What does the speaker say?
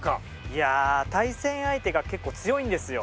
いやあ対戦相手が結構強いんですよ。